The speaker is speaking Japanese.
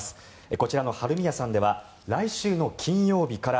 こちらの晴海屋さんでは来週の金曜日から